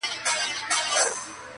د سومنات او پاني پټ او میوندونو کیسې.!